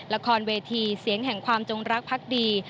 ละครเวทีเสียงแห่งความจงรักพักดี